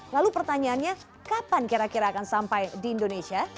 lalu pertanyaannya kapan kira kira akan sampai di indonesia